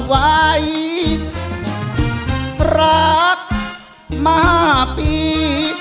ไว้รักมาปี